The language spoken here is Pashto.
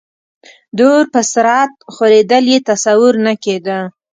د اور په سرعت خورېدل یې تصور نه کېده.